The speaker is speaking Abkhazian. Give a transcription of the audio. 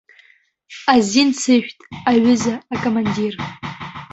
Азин сышәҭ, аҩыза акомандир!